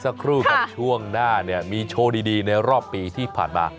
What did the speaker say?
สักครู่ครับช่วงหน้าเนี่ยมีโชว์ดีในรอบปีที่ผ่านมา